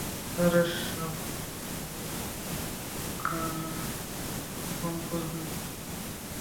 আর এসব ভালুকামিপনা কম করবে, বুঝেছ পিচ্চি?